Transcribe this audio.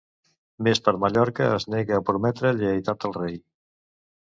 Més per Mallorca es nega a prometre lleialtat al rei